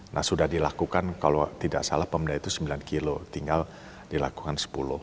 nah sudah dilakukan kalau tidak salah pemda itu sembilan kilo tinggal dilakukan sepuluh